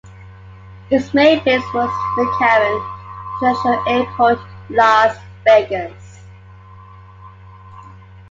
Its main base was McCarran International Airport, Las Vegas.